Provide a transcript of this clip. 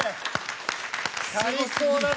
最高だぜ！